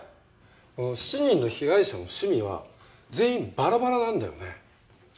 この７人の被害者の趣味は全員バラバラなんだよね。